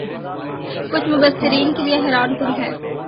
کچھ مبصرین کے لئے حیران کن ہے